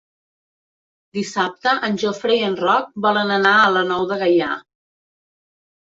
Dissabte en Jofre i en Roc volen anar a la Nou de Gaià.